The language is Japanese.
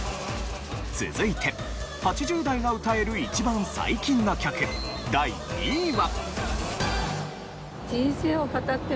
続いて８０代が歌える一番最近の曲第２位は。